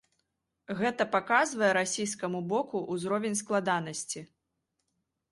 Гэта паказвае расійскаму боку ўзровень складанасці.